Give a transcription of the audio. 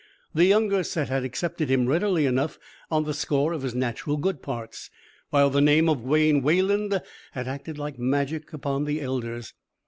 The younger set had accepted him readily enough on the score of his natural good parts, while the name of Wayne Wayland had acted like magic upon the elders.